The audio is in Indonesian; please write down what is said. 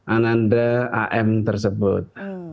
ananda am tersebut